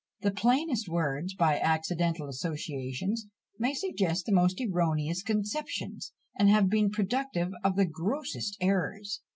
The plainest words, by accidental associations, may suggest the most erroneous conceptions, and have been productive of the grossest errors.